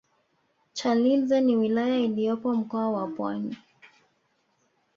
chalinze ni wilaya iliyopo mkoa wa pwani